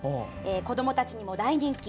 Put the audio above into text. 子どもたちにも大人気。